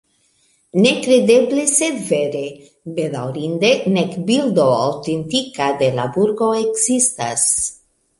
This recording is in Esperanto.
Nekredeble sed vere: bedaŭrinde nek bildo aŭtentika de la burgo ekzistas.